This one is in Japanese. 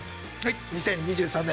２０２３年